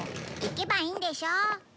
行けばいいんでしょ。